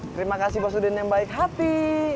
terima kasih bos udin yang baik hati